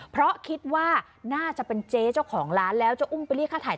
เพราะคิดว่าน่าจะเป็นเจ๊เจ้าของร้านแล้วจะอุ้มไปเรียกค่าถ่าย